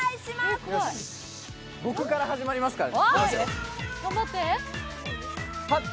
僕から始まりますから。